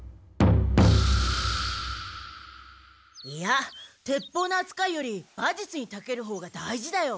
いや鉄砲のあつかいより馬術にたけるほうが大事だよ。